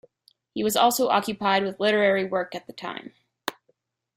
He was also occupied with literary work at the time.